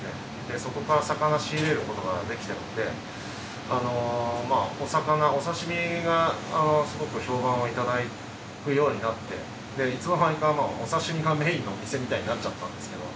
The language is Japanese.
そこから魚仕入れることができてるのでお魚お刺身がすごく評判をいただくようになっていつの間にかお刺身がメインのお店みたいになっちゃったんですけど。